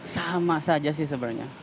sama saja sih sebenarnya